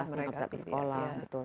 mereka bisa ke sekolah